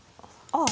ああ！